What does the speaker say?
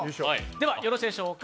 よろしいでしょうか？